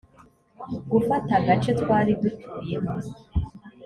gufata agace twari dutuyemo